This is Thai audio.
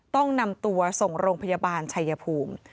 ต้องนำตัวส่งโรงพยาบาลชัยภูมิ